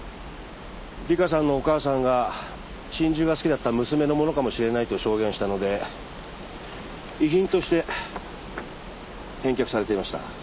里香さんのお母さんが真珠が好きだった娘の物かもしれないと証言したので遺品として返却されていました。